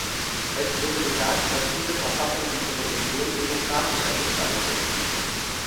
Es wurde gesagt, dass diese Verfassung unsere Union demokratischer gestalte.